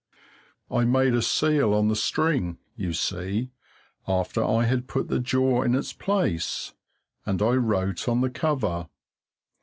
I made a seal on the string, you see, after I had put the jaw in its place, and I wrote on the cover.